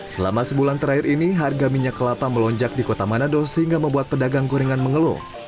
selama sebulan terakhir ini harga minyak kelapa melonjak di kota manado sehingga membuat pedagang gorengan mengeluh